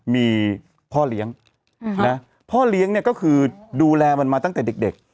มีพ่อเลี้ยงพ่อเลี้ยงเนี่ยก็คือดูแลมันมาตั้งแต่เด็ก